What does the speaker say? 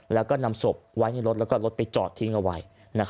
แล้วก็นำศพไว้ในรถแล้วก็รถไปจอดทิ้งเอาไว้